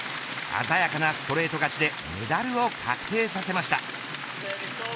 鮮やかなストレート勝ちでメダルを確定させました。